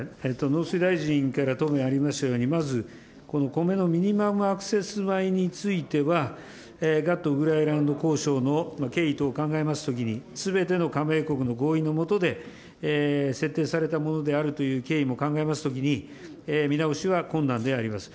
農水大臣から答弁ありましたように、まず、この米のミニマムアクセス米についてはガットウルグアイラウンド交渉の経緯等考えますときに、すべての加盟国の合意の下で、設定されたものであるという経緯も考えますときに、見直しは困難であります。